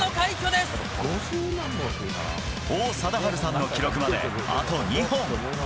王貞治さんの記録まであと２本。